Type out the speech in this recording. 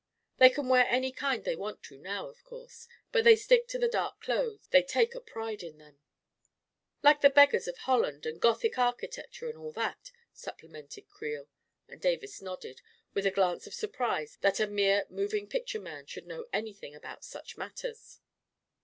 They can wear any kind they want to now, of course ; but they still stick (p the dark clothes — they take a pride in them. w 44 Like the Beggars of Holland — and Gothic architecture — and all that," supplemented Creel; and Davis nodded, with a glance of surprise that a mere moving picture man should know anything about such matters.